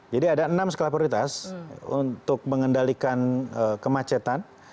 jadi ada enam skala prioritas untuk mengendalikan kemacetan